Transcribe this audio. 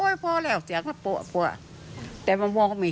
ยายมาถามว่าเป็นอะไร